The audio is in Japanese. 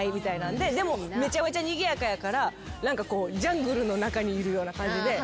でもめちゃめちゃにぎやかやからジャングルの中にいるような感じで。